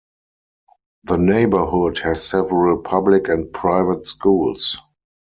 The neighborhood has several public and private schools.